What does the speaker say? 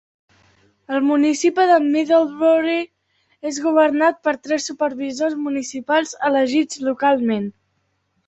El municipi de Middlebury és governat per tres supervisors municipals elegits localment.